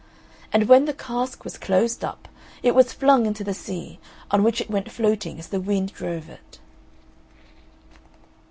And when the cask was closed up, it was flung into the sea, on which it went floating as the wind drove it.